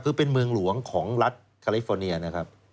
คือเป็นเมืองหลวงของรัฐคาลิฟอร์เนียนะครับ